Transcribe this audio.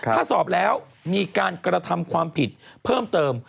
ถ้าสอบแล้วมีการกระทำความผิดเพิ่มเติม